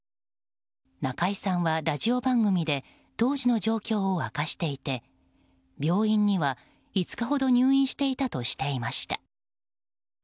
中居さんはラジオ番組で当時の状況を明かしていて病院には、５日ほど入院していたとしていました。